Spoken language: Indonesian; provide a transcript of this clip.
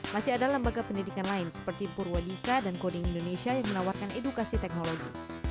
masih ada lembaga pendidikan lain seperti purwadika dan coding indonesia yang menawarkan edukasi teknologi